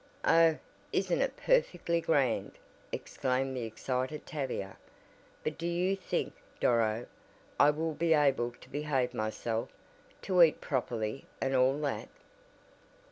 "Oh, isn't it perfectly grand!" exclaimed the excited Tavia, "but do you think, Doro, I will be able to behave myself, to eat properly and all that?"